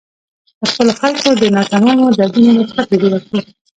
د خپلو خلکو د ناتمامو دردونو نسخه ترې جوړه کړو.